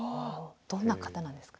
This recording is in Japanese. どんな方なんですか？